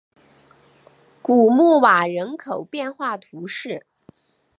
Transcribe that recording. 古穆瓦人口变化图示